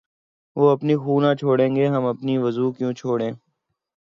وہ اپنی خو نہ چھوڑیں گے‘ ہم اپنی وضع کیوں چھوڑیں!